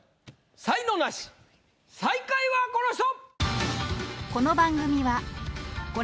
才能ナシ最下位はこの人！